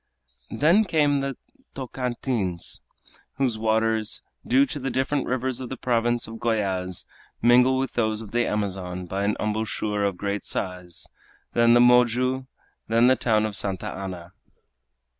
Then came the Tocantins, whose waters, due to the different rivers of the province of Goyaz, mingle with those of the Amazon by an embouchure of great size, then the Moju, then the town of Santa Ana.